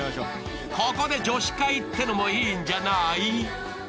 ここで女子会ってのもいいんじゃなぁい？